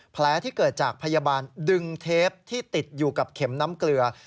แผลที่เกิดจากพยาบาลดึงเทปที่ติดอยู่กับเข็มน้ำเกลือ